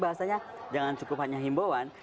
bahasanya jangan cukup hanya himbauan